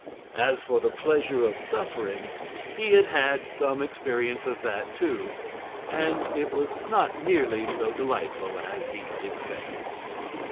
As for the pleasure of suffering, he had had some experience of that, too, and it was not nearly so delightful as he had expected.